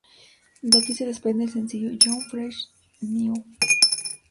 De aquí se desprende el sencillo "Young, Fresh n' New".